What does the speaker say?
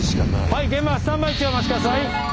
はい現場スタンバイ中お待ち下さい！